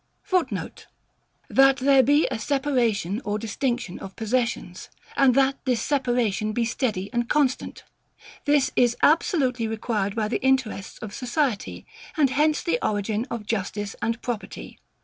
[Footnote: That there be a separation or distinction of possessions, and that this separation be steady and constant; this is absolutely required by the interests of society, and hence the origin of justice and property.